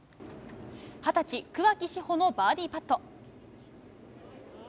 ２０歳、桑木志帆のバーディーパット。